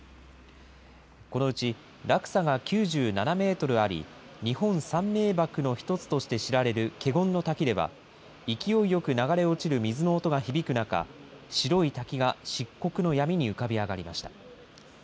このうち落差が９７メートルあり、日本三名ばくの一つとして知られる華厳滝では、勢いよく流れ落ちる水の音が響く中、白い滝が漆黒の闇に浮かび上がりました。